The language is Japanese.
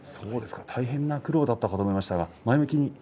大変な苦労だったかと思いましたが、前向きに。